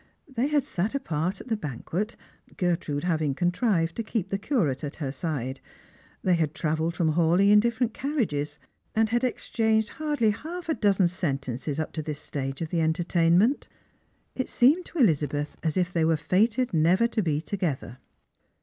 They had sat apart at the banquet, Gertrude having con trived to keep the Curate at her side ; they had travelled from Hawleigh in different carriages, and had exchanged hardly hall a dozen sentences up to this stage of the entertainment. It seemed to Elizabeth as if they were fated never to be together.